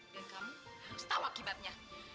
dan kamu harus tahu akibatnya